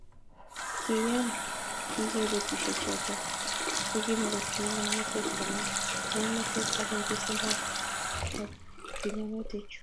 Kiiyan kike betusiechoto kokimakotinyei ngomnotetab konai ngomnotet ak nyigisindab kotigonutichoto